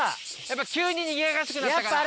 やっぱ急ににぎやかしくなったから。